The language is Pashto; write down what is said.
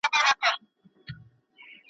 په کلو یې کورته غل نه وو راغلی ,